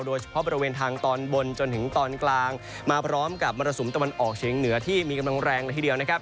โดยเฉพาะบริเวณทางตอนบนจนถึงตอนกลางมาพร้อมกับมรสุมตะวันออกเฉียงเหนือที่มีกำลังแรงละทีเดียวนะครับ